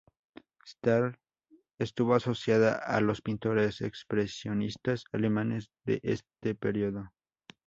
Stern estuvo asociada a los pintores expresionistas alemanes de este periodo.